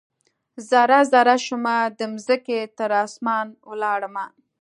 ذره ، ذره شومه د مځکې، تراسمان ولاړمه